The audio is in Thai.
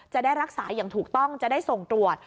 จะได้รักษาอย่างถูกต้องจะได้ส่งตรวจ